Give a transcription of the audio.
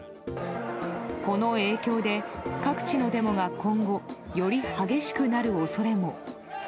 この影響で、各地のデモが今後、より激しくなる恐れも。